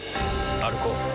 歩こう。